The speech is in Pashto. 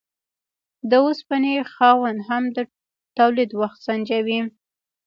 د اوسپنې خاوند هم د تولید وخت سنجوي.